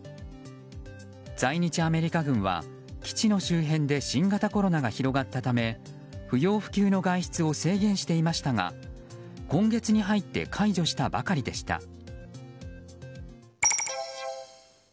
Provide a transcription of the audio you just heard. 在日アメリカ軍は基地の周辺で新型コロナが広がったため不要不急の外出を制限していましたが今月に入って解除したばかりでした。